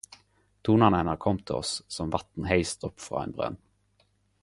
Tonane hennar kom ut til oss som vatn heist opp frå ein brønn